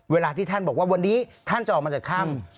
เวลาที่ท่านบอกว่าวันนี้ท่านจะออกมาจากถ้ำ